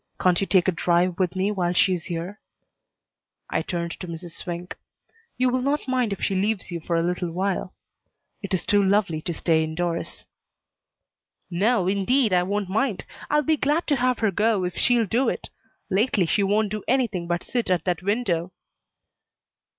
Can't you take a drive with me while she is here?" I turned to Mrs. Swink. "You will not mind if she leaves you for a little while? It is too lovely to stay indoors." "No, indeed, I won't mind. I'll be glad to have her go if she'll do it. Lately she won't do anything but sit at that window."